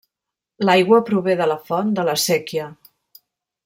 L'aigua prové de la font de la Séquia.